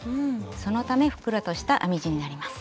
そのためふっくらとした編み地になります。